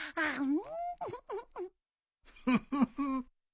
フフフ。